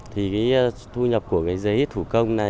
thì thu nhập của giấy thủ công này